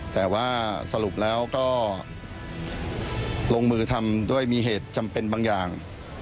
แต่ว่าสรุปแล้วก็ลงมือทำด้วยมีเหตุจำเป็นบางอย่าง